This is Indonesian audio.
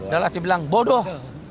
dalam sebilang bodoh